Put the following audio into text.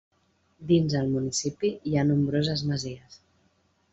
Dins el municipi hi ha nombroses masies.